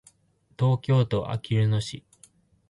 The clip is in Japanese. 東京都あきる野市